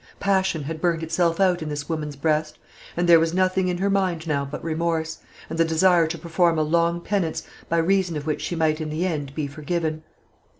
Passion had burnt itself out in this woman's breast, and there was nothing in her mind now but remorse, and the desire to perform a long penance, by reason of which she might in the end be forgiven.